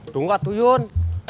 tunggu tuh yun